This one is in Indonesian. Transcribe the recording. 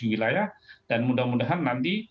tujuh wilayah dan mudah mudahan nanti